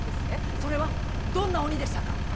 それはどんな鬼でしたか？